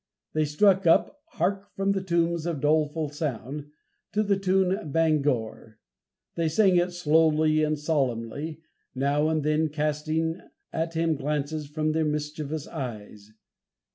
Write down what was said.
They struck up "Hark, from the Tombs a Doleful Sound," to the tune, Bangor. They sang it slowly and solemnly, now and then casting at him glances from their mischievous eyes.